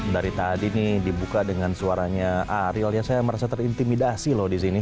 dari tadi dibuka dengan suaranya ariel saya merasa terintimidasi loh disini